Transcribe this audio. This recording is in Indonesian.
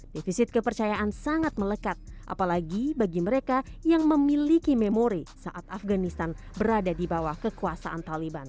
defisit kepercayaan sangat melekat apalagi bagi mereka yang memiliki memori saat afganistan berada di bawah kekuasaan taliban